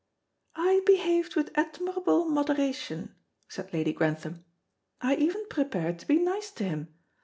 "I behaved with admirable moderation," said Lady Grantham. "I even prepared to be nice to him.